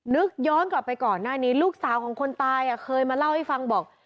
นึกย้อนกลับไปก่อนหน้านี้ลูกสาวของคนตายเคยมาเล่าให้ฟังบอก